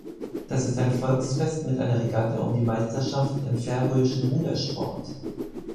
Das ist ein Volksfest mit einer Regatta um die Meisterschaft im färöischen Rudersport.